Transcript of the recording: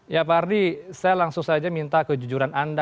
ya pak ardi saya langsung saja minta kejujuran anda